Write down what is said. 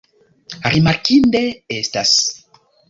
Rimarkinde estas.